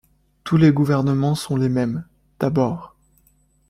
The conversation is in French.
Tous les gouvernements sont les mêmes, d’abord.